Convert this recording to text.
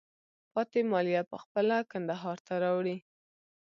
پاتې مالیه په خپله کندهار ته راوړئ.